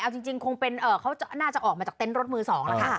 เอาจริงคงเป็นเขาน่าจะออกมาจากเต็นต์รถมือ๒แล้วค่ะ